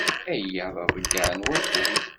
Aya d aḍeyyeɛ n wakud.